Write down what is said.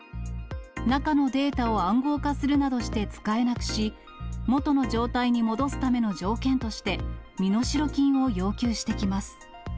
中のデータを暗号化するなどして使えなくし、元の状態に戻すための条件として、身代金を要求してきます。